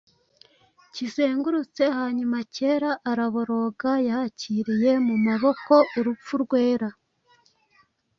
kizengurutse; hanyuma Kera, araboroga: yakiriye mumaboko Urupfu rwera,